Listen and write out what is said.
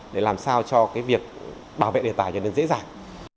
để làm sao cho cái việc bảo vệ đề tài trở nên dễ dàng